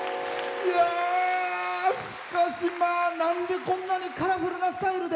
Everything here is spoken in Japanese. しかし、まあ、なんでこんなにカラフルなスタイルで？